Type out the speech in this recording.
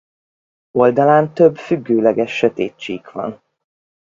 Oldalán több függőleges sötét csík van.